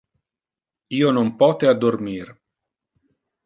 Io non pote addormir.